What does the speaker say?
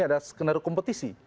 ada skenario kompetisi